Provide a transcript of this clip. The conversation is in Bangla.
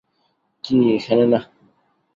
কী, এখানে, না?